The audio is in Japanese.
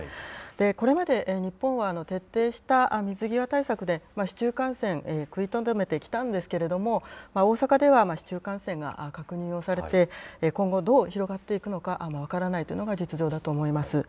これまで日本は徹底した水際対策で、市中感染、くいとどめてきたんですけれども、大阪では市中感染が確認をされて、今後、どう広がっていくのか分からないというのが実情だと思います。